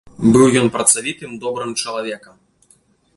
Быў ён працавітым добрым чалавекам.